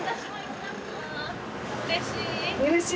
うれしい。